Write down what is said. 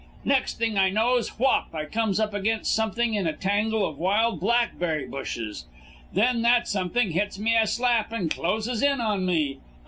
Next thing I knows whop, I comes up against something in a tangle of wild blackberry bushes. Then that something hits me a slap and closes in on me.